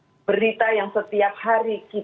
dan peristiwa peristiwa kita terlihat di depan mata kita